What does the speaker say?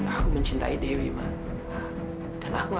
aku ingin tahu apa terjadi di rumah